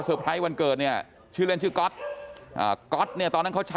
เซอร์ไพรส์วันเกิดเนี่ยชื่อเรียนชื่อก็ท์ก็ท์เนี่ยตอนนี้เขาใช้